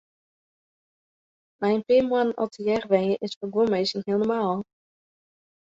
Nei in pear moannen al tegearre wenje is foar guon minsken heel normaal.